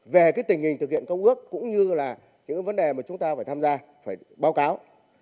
về tình hình thực hiện công ước cũng như là những vấn đề mà chúng ta phải tham gia phải báo cáo